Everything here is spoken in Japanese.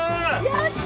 やった！